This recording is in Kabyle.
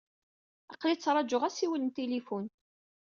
Aql-i ttraǧuɣ asiwel s tilifun.